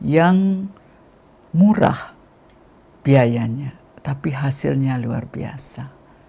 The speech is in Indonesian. yang murah biayanya tapi hasilnya luar biasa